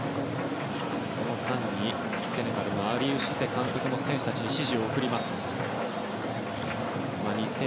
その間に、セネガルのアリウ・シセ監督も選手たちに指示を送りました。